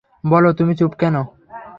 বল, তুমি চুপ কেন?